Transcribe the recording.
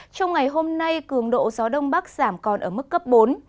trong ngày hôm nay cường độ gió đông bắc giảm còn ở mức cấp bốn